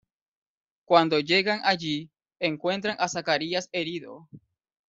Cuando llegan allí, encuentran a Zacarías herido.